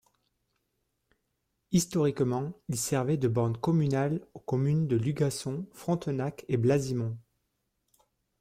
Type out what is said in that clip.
Historiquement, il servait de borne communale aux communes de Lugasson, Frontenac et Blasimon.